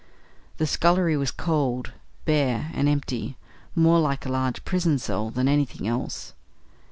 The scullery was cold, bare, and empty; more like a large prison cell than anything else.